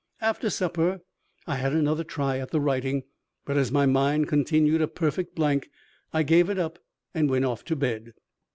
After supper I had another try at the writing, but as my mind continued a perfect blank I gave it up and went off to bed.